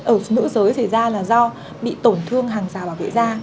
ở nữ giới xảy ra là do bị tổn thương hàng rào bảo vệ da